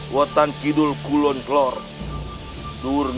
jangan jauh jauh jagoan mata orang